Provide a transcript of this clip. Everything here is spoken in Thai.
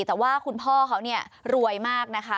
แต่ว่าคุณพ่อเขาเนี่ยรวยมากนะคะ